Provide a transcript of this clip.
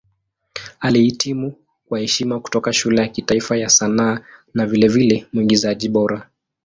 Alihitimu kwa heshima kutoka Shule ya Kitaifa ya Sanaa na vilevile Mwigizaji Bora.